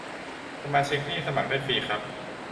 สมาชิกนี่สมัครได้ฟรีครับ